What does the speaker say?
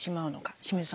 清水さん